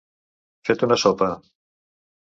Fet una sopa.